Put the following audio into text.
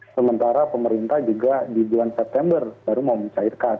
sementara pemerintah juga di bulan september baru mau mencairkan